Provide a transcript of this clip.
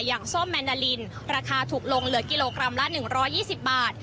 อย่างส้มแมนดาลินราคาถูกลงเหลือกิโลกรัมละหนึ่งร้อยยี่สิบบาท